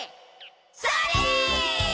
それ！